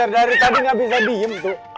dari tadi nggak bisa diem tuh